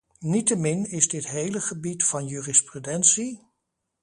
Niettemin is dit hele gebied van jurisprudentie ...